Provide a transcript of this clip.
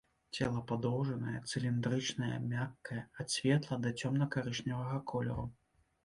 Цела падоўжанае, цыліндрычнае, мяккае, ад светла- да цёмна-карычневага колеру.